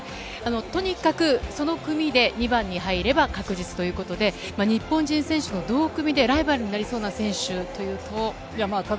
とにかくその組で２番に入れば確実ということで日本人選手の同組のライバルになりそうな選手というと？